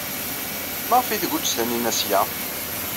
Maɣef ay tguǧǧ Taninna seg-a?